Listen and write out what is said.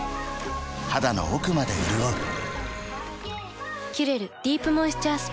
肌の奥まで潤う「キュレルディープモイスチャースプレー」